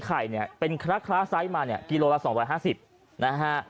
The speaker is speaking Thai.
ไข่เนี่ยเป็นคล้าไซส์มาเนี่ยกิโลละ๒๕๐นะฮะ